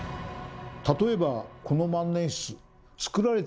例えばこの万年筆。